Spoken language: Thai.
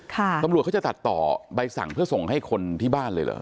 ตำรวจเขาจะตัดต่อใบสั่งเพื่อส่งให้คนที่บ้านเลยเหรอ